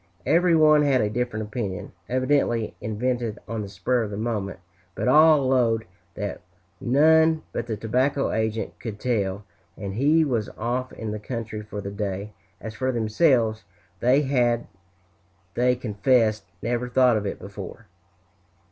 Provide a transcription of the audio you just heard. Every one had a different opinion, evidently invented on the spur of the moment, but all "'lowed" that none but the tobacco agent could tell, and he was off in the country for the day; as for themselves, they had, they confessed, never thought of it before.